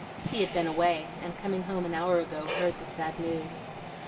He had been away, and coming home an hour ago, heard the sad news.